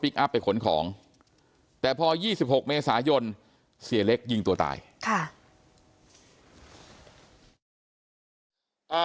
อัพไปขนของแต่พอ๒๖เมษายนเสียเล็กยิงตัวตายค่ะ